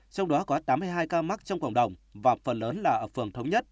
trong đó có tám mươi hai ca mắc trong cộng đồng và phần lớn là ở phường thống nhất